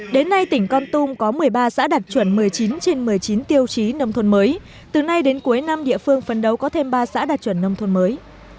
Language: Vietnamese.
đến nay tỉnh con tum có một mươi ba xã đạt chuẩn một mươi chín trên một mươi chín tiêu chí nông thôn mới từ nay đến cuối năm địa phương phấn đấu có thêm ba xã đạt chuẩn nông thôn mới